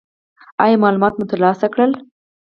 ایا معلومات مو ترلاسه کړل؟